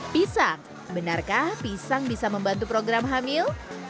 pisang benarkah pisang bisa membantu program hamil